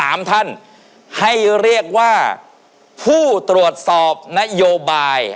ท่านให้เรียกว่าผู้ตรวจสอบนโยบาย